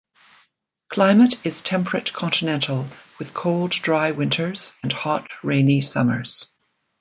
Climate is temperate continental, with cold, dry winters and hot, rainy summers.